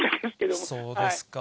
そうですか。